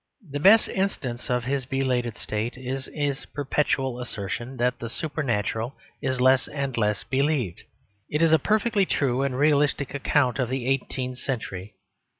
The best instance of his belated state is his perpetual assertion that the supernatural is less and less believed. It is a perfectly true and realistic account of the eighteenth century.